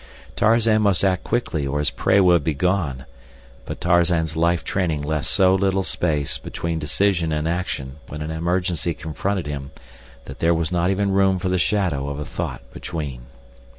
Tarzan must act quickly or his prey would be gone; but Tarzan's life training left so little space between decision and action when an emergency confronted him that there was not even room for the shadow of a thought between.